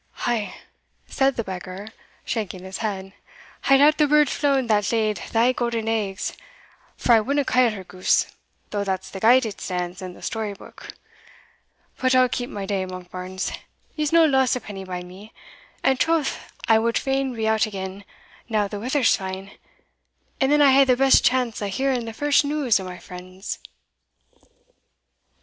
"Ah!" said the beggar, shaking his head, "I doubt the bird's flown that laid thae golden eggs for I winna ca' her goose, though that's the gait it stands in the story buick But I'll keep my day, Monkbarns; ye'se no loss a penny by me And troth I wad fain be out again, now the weather's fine and then I hae the best chance o' hearing the first news o' my friends."